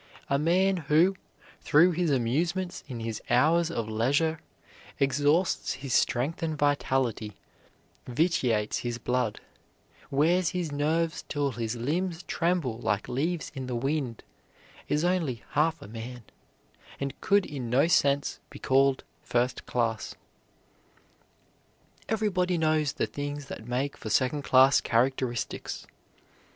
A man who, through his amusements in his hours of leisure, exhausts his strength and vitality, vitiates his blood, wears his nerves till his limbs tremble like leaves in the wind, is only half a man, and could in no sense be called first class. Everybody knows the things that make for second class characteristics.